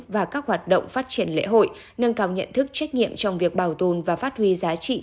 và các hoạt động phát triển lễ hội nâng cao nhận thức trách nhiệm trong việc bảo tồn và phát huy giá trị